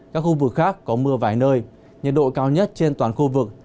các khu vực khác có mưa vài nơi nhiệt độ cao nhất trên toàn khu vực